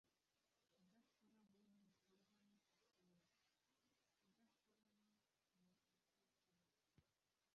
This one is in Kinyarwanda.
kudakora mu bikorwa ni ukunesha kudakora ko mu bitekerezo.